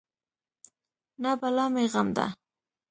نه بلا مې غم ده.